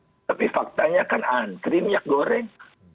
tapi faktanya kan antri minyak goreng